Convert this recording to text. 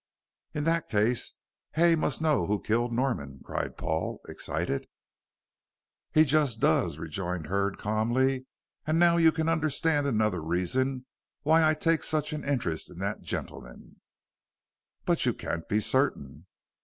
"In that case Hay must know who killed Norman," cried Paul, excited. "He just does," rejoined Hurd, calmly; "and now you can understand another reason why I take such an interest in that gentleman." "But you can't be certain?"